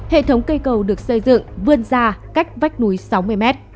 hệ thống cây cầu được xây dựng vươn ra cách vách núi sáu mươi mét